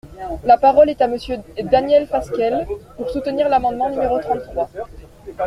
La parole est à Monsieur Daniel Fasquelle, pour soutenir l’amendement numéro trente-trois.